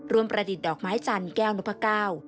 ประดิษฐ์ดอกไม้จันทร์แก้วนพก้าว